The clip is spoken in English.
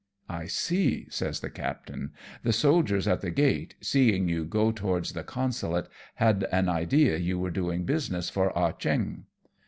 '*' I see," says the captain ;" the soldiers at the gate, seeing you go towards the Consulate, had an idea you were doing business for Ah Cheong.